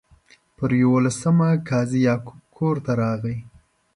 پر یوولسمه قاضي یعقوب کور ته راغی.